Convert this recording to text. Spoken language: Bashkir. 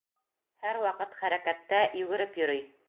Һәр ваҡыт хәрәкәттә, йүгереп йөрөй.